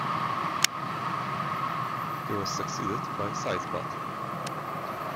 He was succeeded by Sisebut.